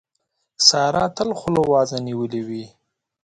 سارا تل خوله وازه نيولې وي.